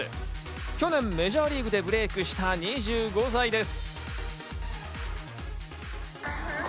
去年、メジャーリーグでブレイクした２５歳です。